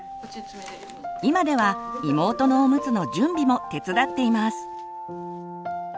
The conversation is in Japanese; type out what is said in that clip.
今では妹のおむつの準備も手伝っています。